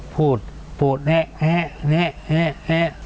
พูดพูดแอ๊ะแอ๊ะแอ๊ะแอ๊ะ